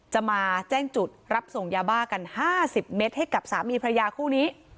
จะมาแจ้งจุดรับส่งยาบ้ากัน๕๐เมตรให้กับสามีพระยาคู่นี้